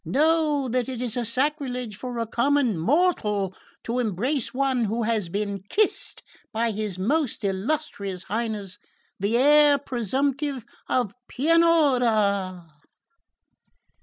Know that it is sacrilege for a common mortal to embrace one who has been kissed by his most illustrious Highness the Heir presumptive of Pianura!"